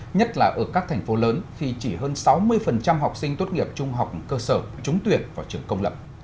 nhất là ở các thành phố lớn khi chỉ hơn sáu mươi học sinh tốt nghiệp trung học cơ sở trúng tuyển vào trường công lập